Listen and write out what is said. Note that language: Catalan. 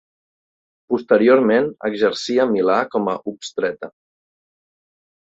Posteriorment exercí a Milà com a obstetra.